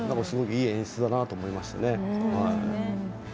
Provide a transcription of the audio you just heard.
すごいいい演出だなと思いましたね。